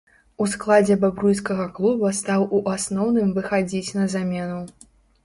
У складзе бабруйскага клуба стаў у асноўным выхадзіць на замену.